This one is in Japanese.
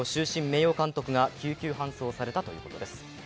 名誉監督が、救急搬送されたということです。